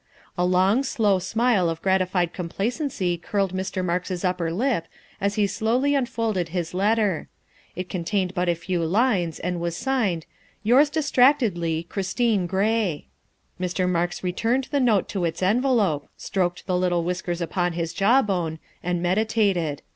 A long, slow smile of gratified complacency curled Mr. Marks 's upper lip as he slowly unfolded his letter. It contained but a few lines and was signed " Yours distractedly, Christine Gray." Mr. Marks returned the note to its envelope, stroked the little whiskers upon his jawbone, and meditated.